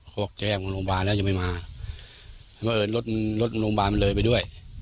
บอกแจ้งโรงพยาบาลแล้วจะไม่มาเพราะเอิญรถรถโรงพยาบาลมันเลยไปด้วย